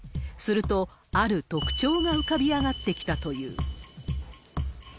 すると、ある特徴が浮かび上がってきたという。